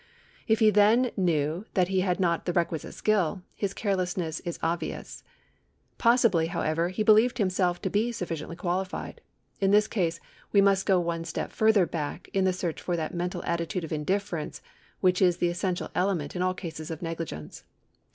If he then knew that he had not the requisite skill, his carelessness is obvious. Possibly, however, he believed himself to be sufficiently qualified. In this case we must go one step further back in the search for 1 Inst. Just. 4. 3. 7. z 354 INTENTION AND NP^GLIGENCE [§ 141 that mental attitude of indifference which is the essential element in all cases of negligence.